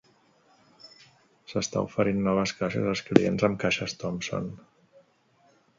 S'està oferint noves caixes als clients amb caixes Thomson.